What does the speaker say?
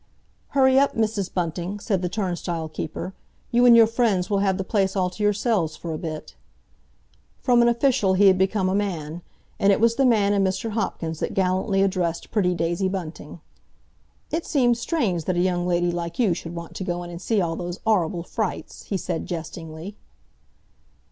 "Hurry up, Mrs. Bunting," said the turnstile keeper; "you and your friends will have the place all to yourselves for a bit." From an official he had become a man, and it was the man in Mr. Hopkins that gallantly addressed pretty Daisy Bunting: "It seems strange that a young lady like you should want to go in and see all those 'orrible frights," he said jestingly.